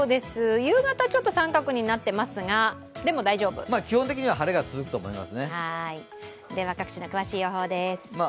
夕方△になってますが基本的には晴れが続くと思います。